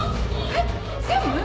えっ専務！？